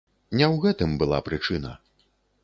Не ў гэтым была прычына.